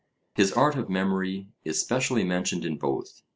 His art of memory is specially mentioned in both.